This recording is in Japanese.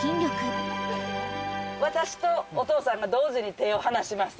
私とお父さんが同時に手を離します。